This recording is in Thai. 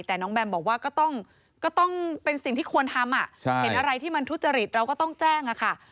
แต่น้องแบมบอกว่าก็ต้องเป็นสิ่งที่ควรทำเห็นอะไรที่มันทุจริตเราก็ต้องแจ้งค่ะ